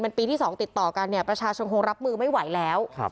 เป็นปีที่๒ติดต่อกันเนี่ยประชาชนคงรับมือไม่ไหวแล้ว